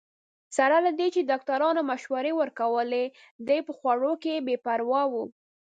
سره له دې چې ډاکټرانو مشورې ورکولې، دی په خوړو کې بې پروا وو.